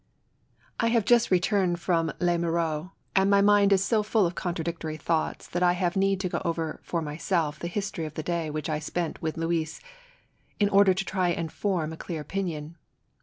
I HAYE just returned from Les Mureaux, and my mind is so full of contradictory thoughts that I have need to go over for myself the history of the day which I spent with Louise in order to try to form a clear opinion.